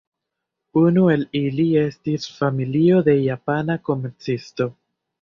Unu el ili estis familio de japana komercisto.